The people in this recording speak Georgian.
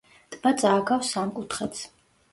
ტბა წააგავს სამკუთხედს.